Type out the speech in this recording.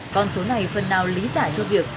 con số này phần nào lý giải cho việc